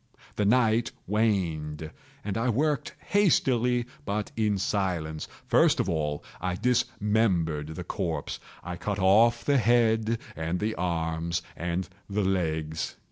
The night waned, and I worked hastily, but in silence. First of all I dismembered the corpse. I cut off the head and the arms and the legs.